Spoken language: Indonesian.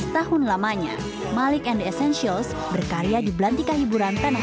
empat belas tahun lamanya malik and the essentials berkarya di belantikan hiburan penang